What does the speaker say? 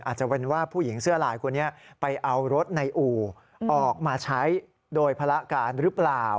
อาจจะเป็นว่าผู้หญิงเสื้อลายคนนี้ไปเอารถในอู่ออกมาใช้โดยภาระการหรือเปล่า